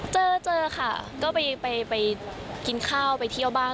เจอเจอค่ะก็ไปกินข้าวไปเที่ยวบ้าง